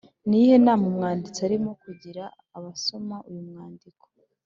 Ni iyihe nama umwanditsi arimo kugira abasoma uyu mwandiko?